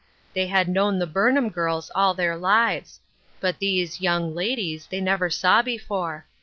They had known the Burnham girls all their lives ; but these " young ladies " they never saw before.